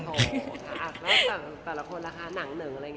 แล้วส่างแต่ละคนละคะหนังหนึ่งอะไรอย่างเงี้ยบ้างคะ